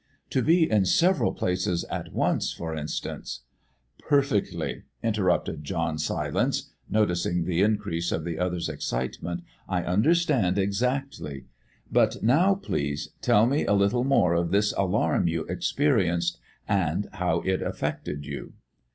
To be in several places at once, for instance " "Perfectly," interrupted John Silence, noticing the increase of the other's excitement, "I understand exactly. But now, please, tell me a little more of this alarm you experienced, and how it affected you."